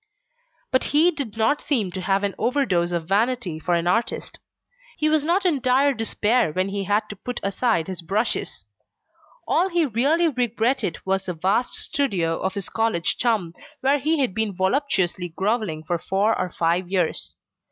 But he did not seem to have an over dose of vanity for an artist; he was not in dire despair when he had to put aside his brushes. All he really regretted was the vast studio of his college chum, where he had been voluptuously grovelling for four or five years.